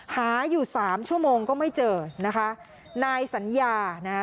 หาอยู่สามชั่วโมงก็ไม่เจอนะคะนายสัญญานะฮะ